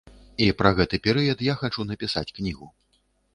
І пра гэты перыяд я хачу напісаць кнігу.